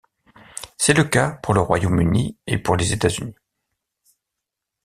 C'est le cas pour le Royaume-Uni et pour les États-Unis.